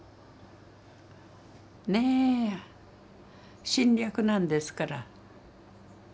ねえ侵略なんですから。